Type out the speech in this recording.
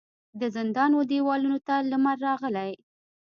د زندان و دیوالونو ته لمر راغلی